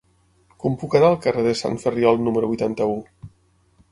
Com puc anar al carrer de Sant Ferriol número vuitanta-u?